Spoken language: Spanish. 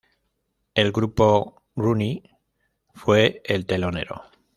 El grupo Rooney fue el telonero.